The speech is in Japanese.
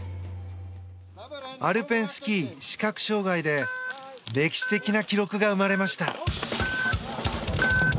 アルペンスキー視覚障害で歴史的な記録が生まれました。